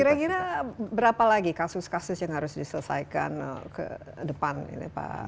kira kira berapa lagi kasus kasus yang harus diselesaikan ke depan ini pak